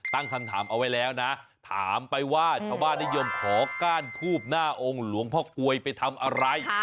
ตั้งคำถามเอาไว้แล้วนะถามไปว่าชาวบ้านนิยมขอก้านทูบหน้าองค์หลวงพ่อกลวยไปทำอะไร